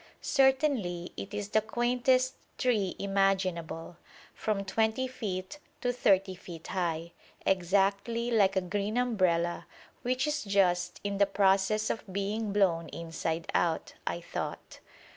Certainly it is the quaintest tree imaginable, from 20 feet to 30 feet high, exactly like a green umbrella which is just in the process of being blown inside out, I thought.